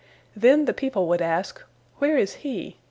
Then the people would ask, "Where is He?"